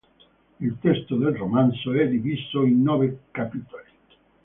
Il testo del romanzo è diviso in nove capitoli.